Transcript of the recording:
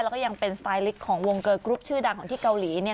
แล้วก็ยังเป็นสไตลิกของวงเกอร์กรุ๊ปชื่อดังของที่เกาหลีเนี่ย